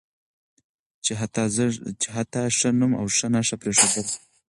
چې حتی ښه نوم او ښه نښه پرېښودل